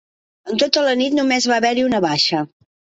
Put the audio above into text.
En tota la nit només va haver-hi una baixa